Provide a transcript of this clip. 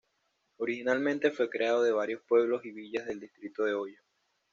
Originalmente fue creado de varios pueblos y villas del distrito de Hoi.